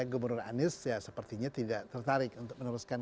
gubernur anies ya sepertinya tidak tertarik untuk meneruskan